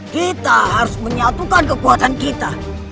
kita harus menyatukan kekuatan kita